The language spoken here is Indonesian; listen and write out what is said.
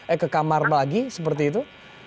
eh ke kamar lagi seperti itu